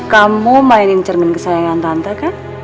kamu mainin cermin kesayangan tante kan